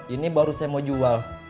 ini baru saya mau jual